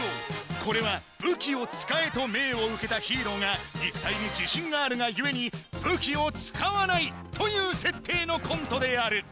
これは武器を使え！と命を受けたヒーローが、肉体に自信があるがゆえに、武器を使わないという設定のコントである。